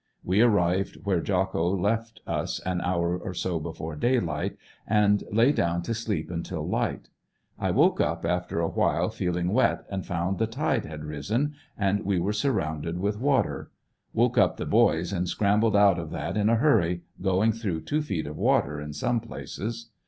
We arrived where Jocko left us an hour or so before daylight, and lay down to sleep until light. I woke up after a while feeling w^et. and found the tide had risen and we were surrounded with water; woke up the boys and scrambled out of that in a hurry, going through two feet of water in some places.